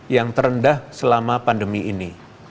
yang terendah selama pandemi ini